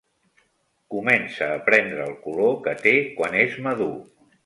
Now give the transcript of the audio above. Comença a prendre el color que té quan és madur.